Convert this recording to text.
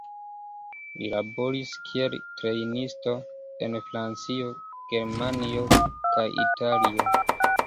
Li laboris kiel trejnisto en Francio, Germanio kaj Italio.